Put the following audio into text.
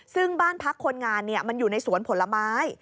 ซึ่งบ้านพักคนงานมันอยู่ในสวนผลไม้